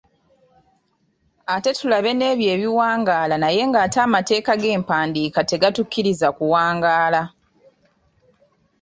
Ate tulabe n’ebyo ebiwangaala naye ng’ate amateeka g’empandiika tegatukkiriza kuwangaala.